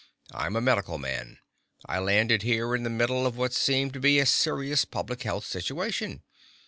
"I'm a medical man. I landed here in the middle of what seemed to be a serious public health situation.